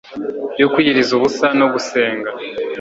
yo kwiyiriza ubusa no gusenga